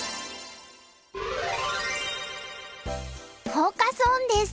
フォーカス・オンです。